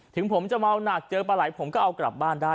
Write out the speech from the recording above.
ถึงผมจะเมาหนักเจอปลาไหลผมก็เอากลับบ้านได้